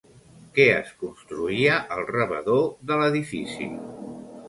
Què es construïa al rebedor de l'edifici?